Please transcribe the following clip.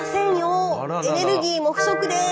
「エネルギーも不足です」。